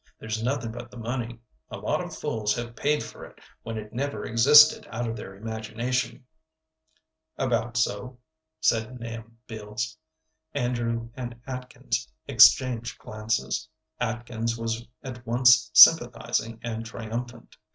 There's nothing but the money; a lot of fools have paid for it when it never existed out of their imagination." "About so," said Nahum Beals. Andrew and Atkins exchanged glances. Atkins was at once sympathizing and triumphant.